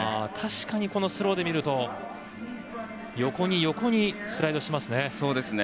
確かにスローで見ると横に横にスライドしていますね。